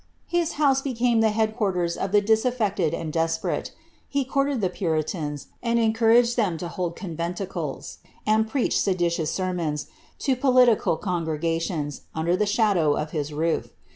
His bouse became the head quarters of the disaflected and desperate. He coarted the puritans, and encouraged them to hold conventicles, and preach seditious sermons, to political congregations, under the shadow of his roof.